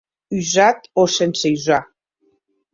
Usat o sense usar?